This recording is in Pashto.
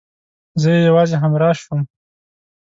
زه يې يوازې همراز شوم.